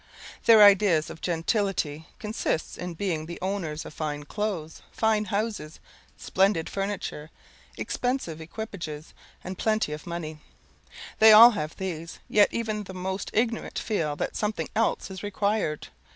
Their ideas of gentility consist in being the owners of fine clothes, fine houses, splendid furniture, expensive equipages, and plenty of money. They have all these, yet even the most ignorant feel that something else is required.